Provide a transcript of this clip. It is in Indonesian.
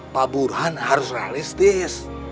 pak buruhan harus realistis